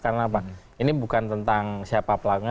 karena apa ini bukan tentang siapa pelakunya